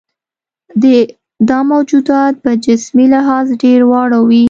دا موجودات په جسمي لحاظ ډېر واړه وي.